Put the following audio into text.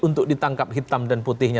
untuk ditangkap hitam dan putihnya